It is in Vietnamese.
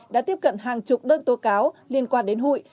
đã tiếp cận hàng chục đơn tố cáo liên quan đến hụi